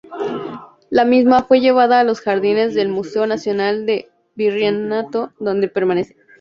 La misma fue llevada a los jardines del Museo Nacional del Virreinato, donde permanece.